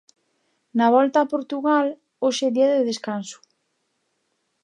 Na Volta a Portugal, hoxe día de descanso.